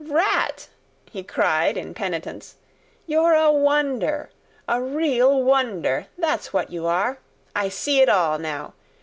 "Rat!" he cried in penitence, "you're a wonder! A real wonder, that's what you are. I see it all now!